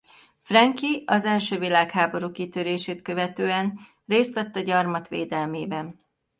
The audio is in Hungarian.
Franke az első világháború kitörését követően részt vett a gyarmat védelmében.